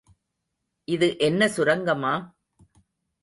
இது என்ன சுரங்கமா?